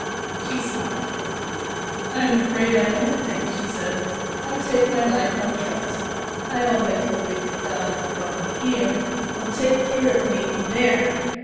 She smiled. "I'm afraid I don't think!" she said "I take my life on trust. I always believe that God who brought me HERE will take care of me THERE!